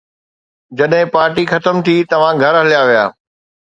جڏهن پارٽي ختم ٿي، توهان گهر هليا ويا.